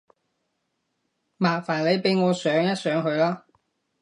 麻煩你俾我上一上去啦